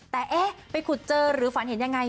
แต่เอ๊ะไปขุดเจอหรือฝันเห็นยังไง